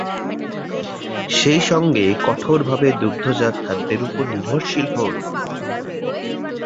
সেই সঙ্গে কঠোরভাবে দুগ্ধজাত খাদ্যের উপর নির্ভরশীল হন।